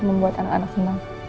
membuat anak anak senang